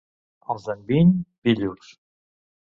Els d'Enviny, «pillos».